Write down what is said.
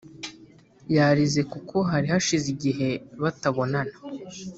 yarize kuko hari hashize igihe batabonana,